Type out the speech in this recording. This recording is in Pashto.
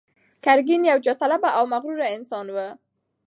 ګرګين يو جاه طلبه او مغرور انسان و.